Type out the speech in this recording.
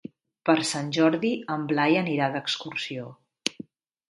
Per Sant Jordi en Blai anirà d'excursió.